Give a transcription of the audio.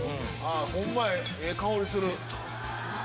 ホンマやええ香りする。